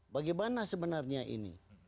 bagaimana sebenarnya ini